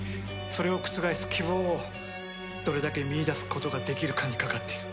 それを覆す希望をどれだけ見いだすことができるかにかかっている。